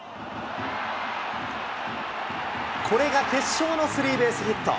これが決勝のスリーベースヒット。